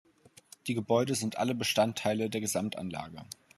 Die Gebäude sind alle Bestandteile der Gesamtanlage.